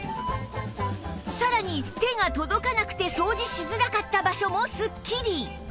さらに手が届かなくて掃除しづらかった場所もすっきり！